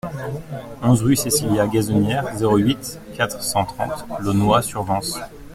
onze rue Cécilia Gazanière, zéro huit, quatre cent trente Launois-sur-Vence